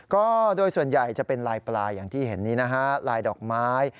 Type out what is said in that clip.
ก็โดยส่วนใหญ่จะเป็นลายปลายอย่างที่เห็นนี้นะฮะลายดอกไม้